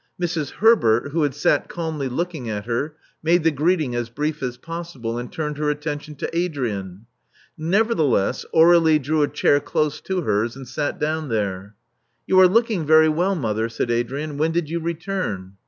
Mrs. Herbert, who had sat calmly looking at her, made the greeting as brief as possible, and turned her attention to Adrian. Nevertheless, Aur61ie drew a chair close to hers, and sat down there. *'You are looking very well, mother," said Adrian. When did you return?"